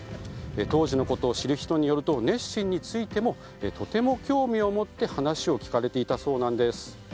当時のことを知る人によるとネッシーについてもとても興味を持って話を聞かれていたそうなんです。